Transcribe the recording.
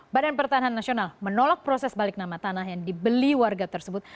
badan pertahanan nasional menolak proses balik nama tanah yang dibeli warga tersebut